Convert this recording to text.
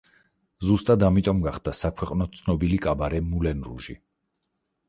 ზუსტად ამიტომ გახდა საქვეყნოდ ცნობილი კაბარე მულენ რუჟი.